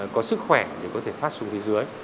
có sức khỏe thì có thể thoát xuống phía dưới